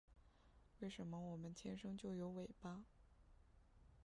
为什么我们天生就有尾巴